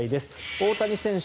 大谷選手